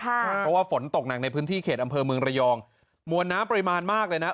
เพราะว่าฝนตกหนักในพื้นที่เขตอำเภอเมืองระยองมวลน้ำปริมาณมากเลยนะ